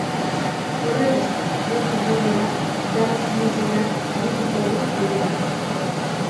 Horrenbestez, gaurtik aurrera dance musikak aginduko du gurean.